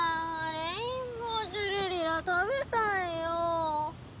レインボージュルリラ食べたいよ！